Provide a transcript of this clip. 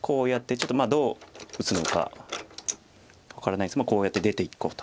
ちょっとどう打つのか分からないですがこうやって出ていこうと。